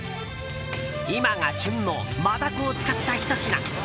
今が旬のマダコを使ったひと品。